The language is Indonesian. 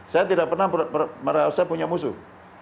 saya tidak pernah merasa punya musuh